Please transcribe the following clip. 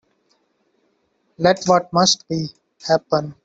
Let what must be, happen.